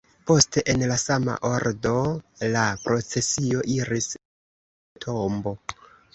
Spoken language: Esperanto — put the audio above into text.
Poste en la sama ordo la procesio iris al la tombo.